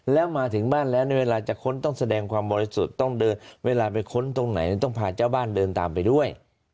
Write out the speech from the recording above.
แล้วมาถึงบ้านแล้วในเวลาจะค้นต้องแสดงความบริสุทธิ์ต้องเดินเวลาไปค้นตรงไหนต้องพาเจ้าบ้านเดินตามไปด้วย